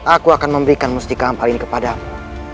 aku akan memberikan mustika apalagi ini kepadamu